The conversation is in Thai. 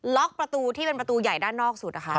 ล็อกประตูที่เป็นประตูใหญ่ด้านนอกสุดนะคะ